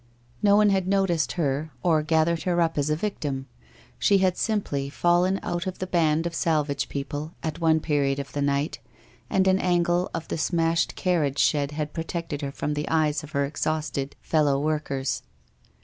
No one had noticed her, or gathered her up as a victim. She had simply fallen out of the band of salvage people at one period of the night and an angle of the smashed carriage shed had protected her from the eyes of her exhausted fellow workers.